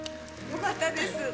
よかったです。